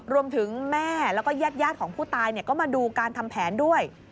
รวมถึงแม่แล้วก็แยดของผู้ตายก็มาดูการทำแผนด้วย